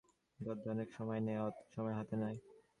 গদ্যে অনেক সময় নেয়, অত সময় তো হাতে নেই।